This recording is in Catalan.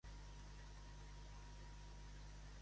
Hi ha algun lampista als jardins de Casa Bloc?